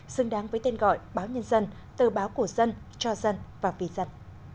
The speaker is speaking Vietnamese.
xứng đáng với tên gọi báo nhân dân tờ báo của dân cho dân và vì dân